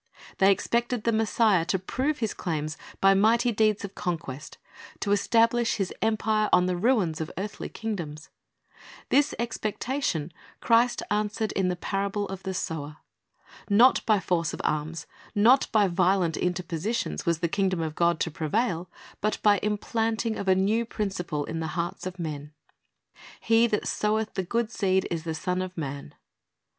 They expected the Messiah to prove His claims by mighty deeds of conquest, to establish His empire on the ruins of earthly kingdoms. This expec tatior^ Christ answered in the parable of the sower. Not by force of arms, not by violent interpositions, was the kingdom of God to prevail, but by the implanting of a new principle in the hearts of men. "He that soweth the good seed is the Son of man."